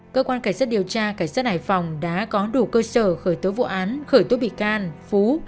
cơ quan cảnh sát điều tra cảnh sát hải phòng đã có đủ cơ sở khởi tố vụ án khởi tố bị can phú